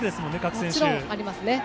もちろんありますね。